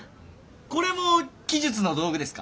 これも奇術の道具ですか？